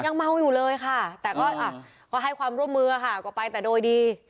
ยังเมาอยู่เลยค่ะแต่ก็ให้ความร่วมมือค่ะก็ไปแต่โดยดี